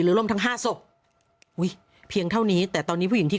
ล่มทั้งห้าศพอุ้ยเพียงเท่านี้แต่ตอนนี้ผู้หญิงที่